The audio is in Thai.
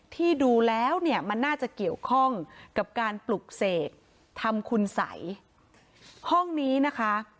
ที่ดูแล้วเนี่ยมันน่าจะเกี่ยวข้องกับการปลุกเสกทำคุณสัยห้องนี้นะคะ